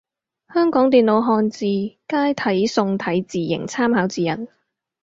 香港電腦漢字楷體宋體字形參考指引